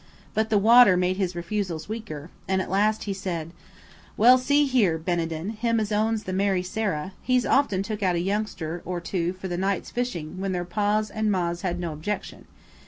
But the water made his refusals weaker, and at last he said– "Well, see here, Beneden, him as owns the Mary Sarah, he's often took out a youngster or two for the night's fishing when their pa's and ma's hadn't no objection.